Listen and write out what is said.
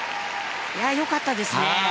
良かったですね！